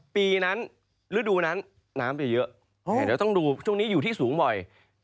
ปีนั้นฤดูนั้นน้ำจะเยอะเดี๋ยวต้องดูช่วงนี้อยู่ที่สูงบ่อย